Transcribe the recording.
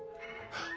あっ。